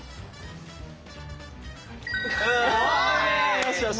よしよし。